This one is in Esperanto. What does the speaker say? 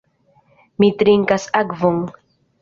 Mi trinkas akvon.